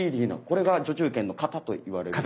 これが序中剣の形と言われる？